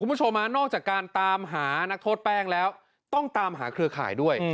คุณผู้ชมนอกจากการตามหานักโทษแป้งแล้วต้องตามหาเครือข่ายด้วย